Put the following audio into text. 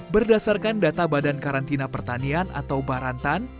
berdasarkan data badan karantina pertanian atau barantan